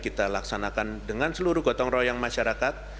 kita laksanakan dengan seluruh gotong royong masyarakat